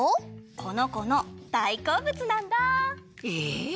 このこのだいこうぶつなんだ！えっ？